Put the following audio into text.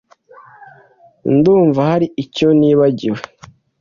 Ndumva hari icyo nibagiwe.